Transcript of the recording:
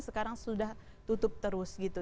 sekarang sudah tutup terus gitu